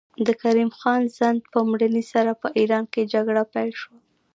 د کریم خان زند په مړینې سره په ایران کې جګړه پیل شوه.